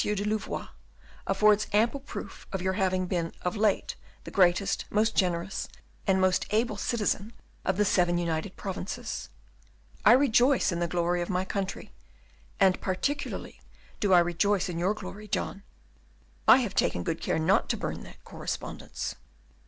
de Louvois affords ample proof of your having been of late the greatest, most generous, and most able citizen of the Seven United Provinces. I rejoice in the glory of my country; and particularly do I rejoice in your glory, John. I have taken good care not to burn that correspondence."